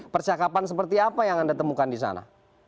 percakapan seperti apa yang anda temukan di sana